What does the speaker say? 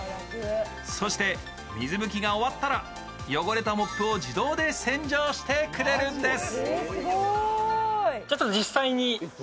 そして、水拭きが終わったら汚れたモップを自動で洗浄してくれるんです。